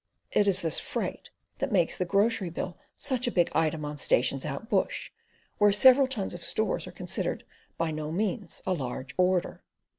It is this freight that makes the grocery bill such a big item on stations out bush, where several tons of stores are considered by no means a large order.